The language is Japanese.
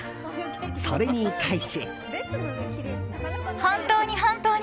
それに対し。